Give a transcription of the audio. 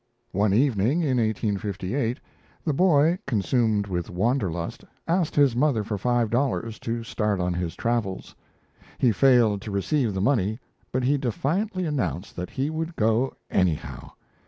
One evening in 1858, the boy, consumed with wanderlust, asked his mother for five dollars to start on his travels. He failed to receive the money, but he defiantly announced that he would go "anyhow."